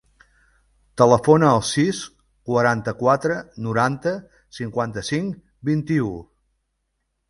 Telefona al sis, quaranta-quatre, noranta, cinquanta-cinc, vint-i-u.